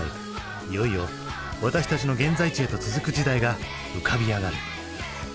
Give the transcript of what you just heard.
いよいよ私たちの現在地へと続く時代が浮かび上がる。